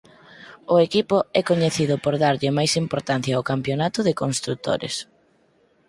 O equipo é coñecido por darlle máis importancia ao campionato de construtores.